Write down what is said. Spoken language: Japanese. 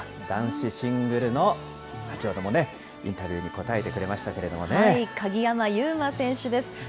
男子シングルの先ほどもインタビューに答えてくれましたけれども鍵山優真選手です。